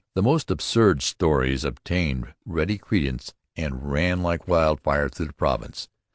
The most absurd stories obtained ready credence and ran like wildfire through the province.